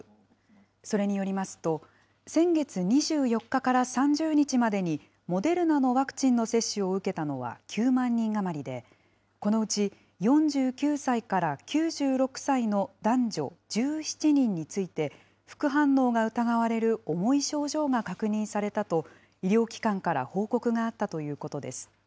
それによりますと、先月２４日から３０日までに、モデルナのワクチンの接種を受けたのは９万人余りで、このうち４９歳から９６歳の男女１７人について、副反応が疑われる重い症状が確認されたと、医療機関から報告があったということです。